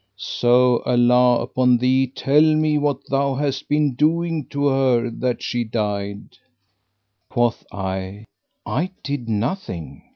So Allah upon thee, tell me what thou hast been doing to her that she died." Quoth I, "I did nothing."